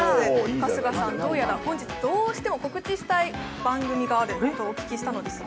春日さん、どうやら本日、どうしても告知したい番組があるとお聞きしましたが。